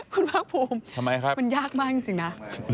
คุณภาคภูมิทำไมครับมันยากมากจริงนะ